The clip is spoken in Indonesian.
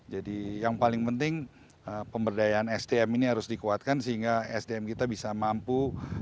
yang paling penting pemberdayaan sdm ini harus dikuatkan sehingga sdm kita bisa mampu